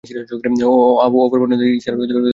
অপর বর্ণনা মতে, ঈস্-এর আরও দুই পুত্র ছিল— ইউনান ও আশবান।